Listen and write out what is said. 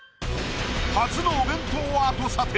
初のお弁当アート査定